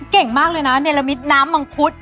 เก่งมากเลยนะเนรมิตน้ำมังคุด